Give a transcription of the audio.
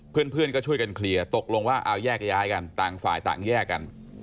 เพื่อนก็ช่วยกันเคลียร์ตกลงว่าเอาแยกย้ายกันต่างฝ่ายต่างแยกกัน